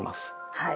はい。